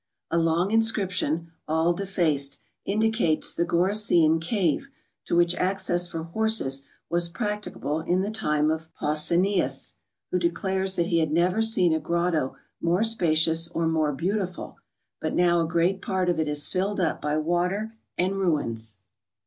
A long inscription, all de¬ faced, indicates the Gorycian cave, to which access for horses was practicable in the time of Pausanias, who declares that he had never seen a grotto more spacioUvS, or more beautifid; but now a great part of it is filled uj) by water and ruins.